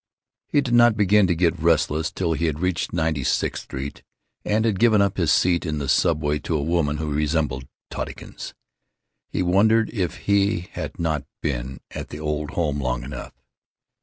He did not begin to get restless till he had reached Ninety sixth Street and had given up his seat in the subway to a woman who resembled Tottykins. He wondered if he had not been at the Old Home long enough.